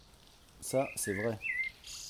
Ça, c’est vrai.